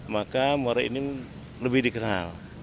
maka muara ini lebih dikenal